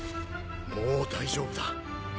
もう大丈夫だ。